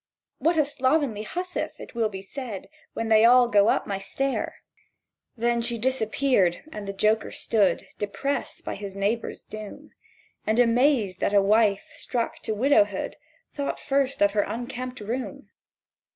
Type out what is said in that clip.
'What a slovenly hussif!' it will be said, When they all go up my stair!" She disappeared; and the joker stood Depressed by his neighbour's doom, And amazed that a wife struck to widowhood Thought first of her unkempt room.